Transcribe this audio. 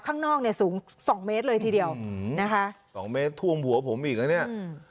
ข้างนอกสูงสองเมตรเลยทีเดียวนะคะสองเมตรท่วมหัวผมอีกแล้วเนี่ย